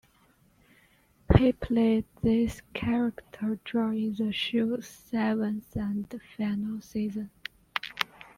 He played this character during the show's seventh and final season.